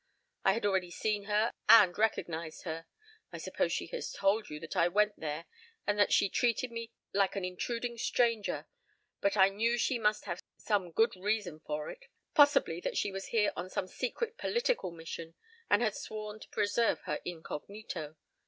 I had already seen her and recognized her. I suppose she has told you that I went there and that she treated me like an intruding stranger. But I knew she must have some good reason for it possibly that she was here on some secret political mission and had sworn to preserve her incognito.